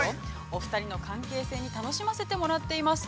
お二人の関係性に楽しませてもらっています。